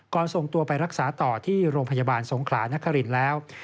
ส่งตัวไปรักษาต่อที่โรงพยาบาลสงขลานครินทร์แล้ว